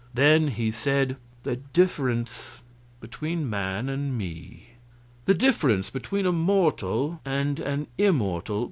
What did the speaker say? Then he said: "The difference between man and me? The difference between a mortal and an immortal?